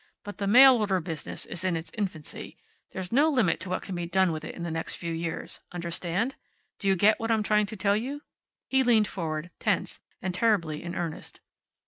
"But the mail order business is in its infancy. There's no limit to what can be done with it in the next few years. Understand? Do you get what I'm trying to tell you?" He leaned forward, tense and terribly in earnest.